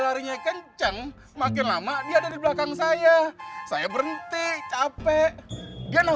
larinya kenceng makin lama dia ada di belakang saya saya berhenti capek dia nabrak saya pak